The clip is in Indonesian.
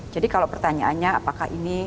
jadi kalau pertanyaannya apakah ini